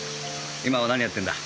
今は何やってんだ？